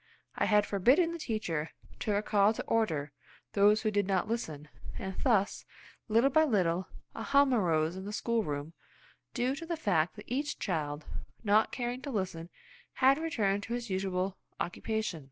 I had forbidden the teacher to recall to order those who did not listen, and thus, little by little, a hum arose in the schoolroom, due to the fact that each child, not caring to listen had returned to his usual occupation.